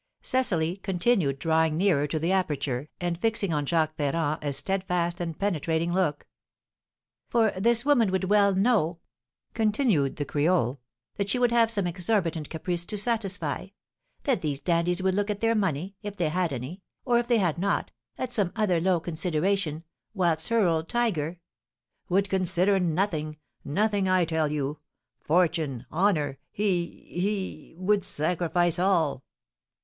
Cecily continued drawing nearer to the aperture, and fixing on Jacques Ferrand a steadfast and penetrating look. "For this woman would well know," continued the creole, "that she would have some exorbitant caprice to satisfy, that these dandies would look at their money, if they had any, or, if they had not, at some other low consideration, whilst her old tiger " "Would consider nothing, nothing, I tell you. Fortune, honour, he he would sacrifice all!"